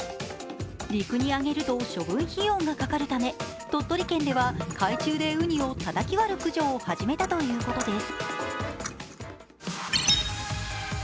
陸にあげると処分費用がかかるため、鳥取県では海中でうにをたたき割る駆除を始めたということです。